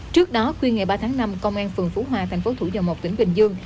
trước đó khuyên ngày ba tháng năm công an phường phú hòa tp thủ dầu một tỉnh bình dương